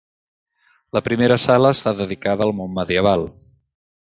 La primera sala està dedicada al món medieval.